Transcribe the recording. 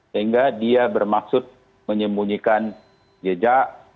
sehingga dia bermaksud menyembunyikan jejak